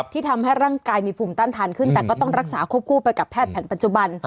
ที่ทำให้ร่างกายมีภูมิต้านทานขึ้นแต่ก็ต้องรักษาควบคู่ไปกับแพทย์แผนปัจจุบัน